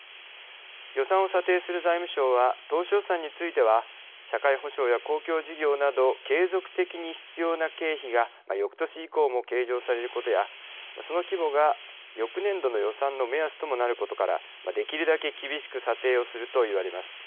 予算を査定する財務省は当初予算については社会保障や公共事業など継続的に必要な経費が翌年以降も計上されることやその規模が翌年度の予算の目安ともなることからできるだけ厳しく査定をするといわれます。